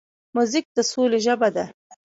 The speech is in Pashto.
موزیک د سولې ژبه ده.